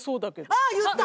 ああ言った！